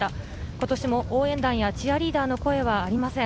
今年も応援団やチアリーダーの声はありません。